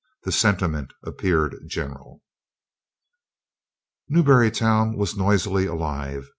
The sentiment appeared general. Newbury town was noisily alive.